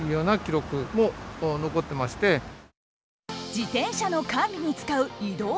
自転車の管理に使う移動データ。